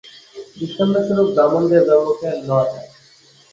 দৃষ্টান্তস্বরূপ ব্রাহ্মণদের ধর্মকে লওয়া যাক।